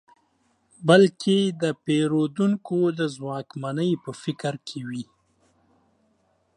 بلکې د پېرودونکو د ځواکمنۍ په فکر کې وي.